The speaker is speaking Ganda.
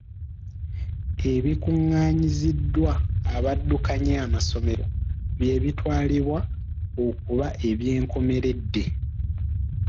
Ebikungaanyiziddwa abaddukanya amasomero by'ebitwalibwa okuba eby'enkomeredde.